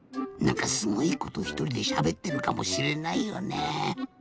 なんかすごいことひとりでしゃべってるかもしれないよね。